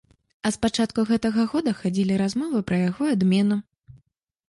А з пачатку гэтага года хадзілі размовы пра яго адмену.